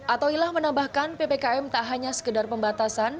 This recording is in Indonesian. atoilah menambahkan ppkm tak hanya sekedar pembatasan